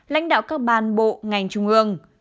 lãnh đạo các ban bộ ngành trung ương